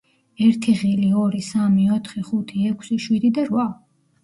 ერთი ღილი, ორი, სამი, ოთხი, ხუთი, ექვსი, შვიდი და რვა.